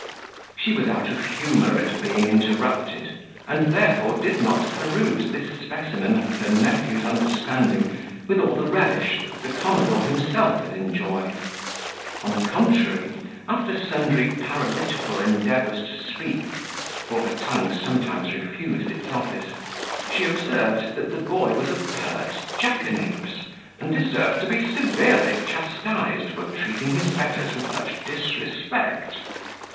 She was out of humour at being interrupted, and therefore did not peruse this specimen of her nephew's understanding with all the relish that the commodore himself had enjoyed; on the contrary, after sundry paralytical endeavours to speak (for her tongue sometimes refused its office), she observed that the boy was a pert jackanapes, and deserved to be severely chastised for treating his betters with such disrespect.